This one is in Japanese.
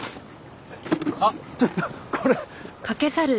あっちょっとこれ。